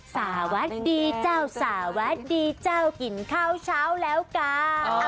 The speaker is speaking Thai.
สาวัดสาวดีเจ้ากินข้าวช้าวแล้วกา